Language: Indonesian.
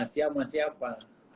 siapa siapa sama dia